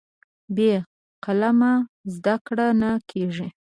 بې قلمه زده کړه نه کېږي.